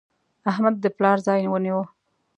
احمد د پلار ځای ونیو.